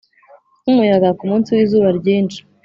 nkumuyaga kumunsi wizuba ryinshi,